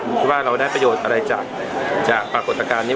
คิดว่าเราได้ประโยชน์อะไรจากปรากฏการณ์นี้